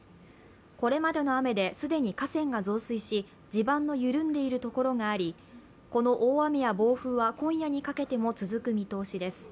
これまでの雨で既に河川が増水し、地盤の緩んでいるところがあり、この大雨や暴風は今夜にかけても続く見通しです。